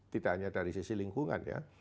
tidak hanya dari sisi lingkungan ya